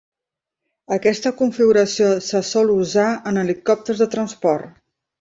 Aquesta configuració se sol usar en helicòpters de transport.